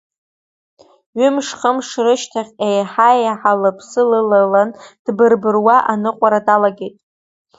Ҩымыш, хымш рышьҭахь еиҳа-еиҳа лыԥсы лылалан дбыр-быруа аныҟәара далагеит.